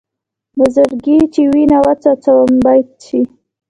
له زړګي چې وینه وڅڅوم بیت شي.